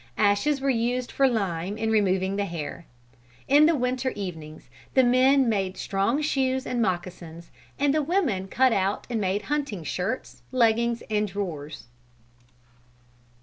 Ashes were used for lime in removing the hair. In the winter evenings the men made strong shoes and moccasins, and the women cut out and made hunting shirts, leggins and drawers.